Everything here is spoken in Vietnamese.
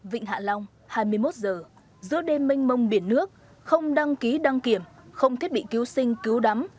vịnh hạ long hai mươi một h giữa đêm mênh mông biển nước không đăng ký đăng kiểm không thiết bị cứu sinh cứu đắm